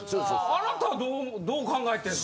あなたはどう考えてんの？